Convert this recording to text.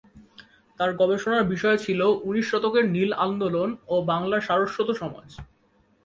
তার গবেষণার বিষয় ছিল 'ঊনিশ শতকের নীল আন্দোলন ও বাংলার সারস্বত সমাজ'।